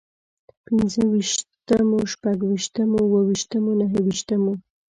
پنځه ويشتمو، شپږ ويشتمو، اووه ويشتمو، نهه ويشتمو